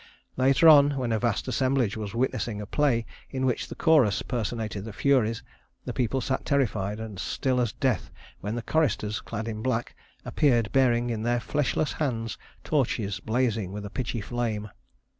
Later on, when a vast assemblage was witnessing a play in which the Chorus personated the Furies, the people sat terrified and still as death when the Choristers, clad in black, appeared bearing in their fleshless hands torches blazing with a pitchy flame.